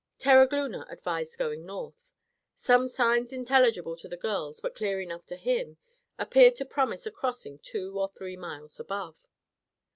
Terogloona advised going north. Some signs unintelligible to the girls, but clear enough to him, appeared to promise a crossing two or three miles above.